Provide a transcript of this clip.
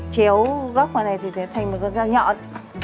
chéo góc vào này thì nó thành một con dao nhọn